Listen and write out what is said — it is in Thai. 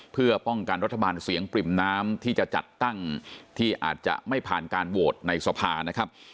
เพื่อป้องกันรัฐบาลเสียงปริ่มน้ำที่จะจัดตั้งที่อาจจะไม่ผ่านการโหวตในสภานะครับ